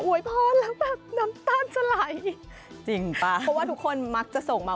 วยพรแล้วแบบน้ำตาลจะไหลจริงป่ะเพราะว่าทุกคนมักจะส่งมา